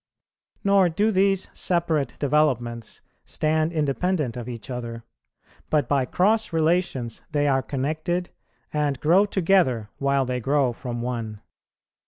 Nor do these separate developments stand independent of each other, but by cross relations they are connected, and grow together while they grow from one.